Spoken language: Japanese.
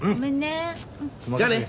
じゃあな。